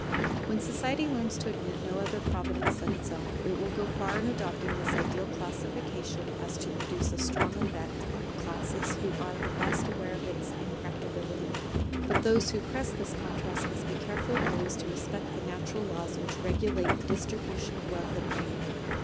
When society learns to admit no other Providence than its own, it will go so far in adopting this ideal classification as to produce a strong effect on the classes who are the best aware of its impracticability. But those who press this contrast must be careful always to respect the natural laws which regulate the distribution of wealth and rank.